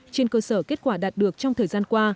trên cơ sở kết quả đạt được trong thời gian qua